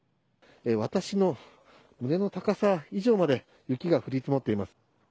私の胸の高さ以上まで雪が降り積もっています。